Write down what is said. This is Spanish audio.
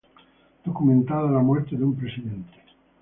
Documentando la muerte de un presidente: